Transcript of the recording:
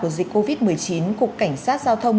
của dịch covid một mươi chín cục cảnh sát giao thông